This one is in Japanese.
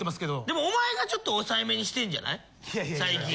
でもお前がちょっと抑えめにしてんじゃない最近？